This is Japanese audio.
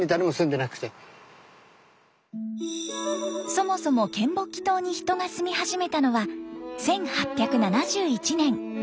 そもそも嶮暮帰島に人が住み始めたのは１８７１年。